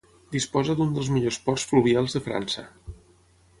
Disposa d'un dels millors ports fluvials de França.